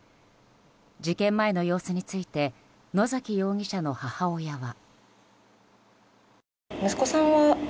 事件前の様子について野崎容疑者の母親は。